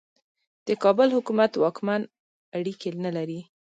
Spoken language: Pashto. د کابل حکومت واکمن اړیکې نه لري.